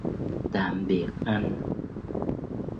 tạm biệt anh